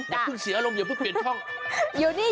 อย่าเพิ่งเสียอารมณอย่าเพิ่งเปลี่ยนช่อง